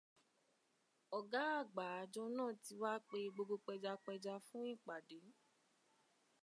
Ọ̀gá àgbà àjọ náà ti wá pe gbogbo pẹja pẹja fún ìpàdé.